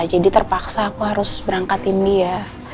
jadi terpaksa aku harus berangkatin dia